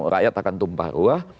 rakyat akan tumpah ruah